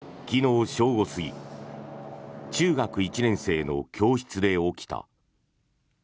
事件は昨日正午過ぎ中学１年生の教室で起きた。